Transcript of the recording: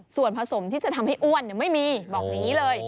ส่วนผสมที่จะทำให้อ้วนไม่มีบอกอย่างนี้เลย